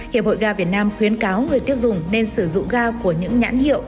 hiệp hội ga việt nam khuyến cáo người tiêu dùng nên sử dụng ga của những nhãn hiệu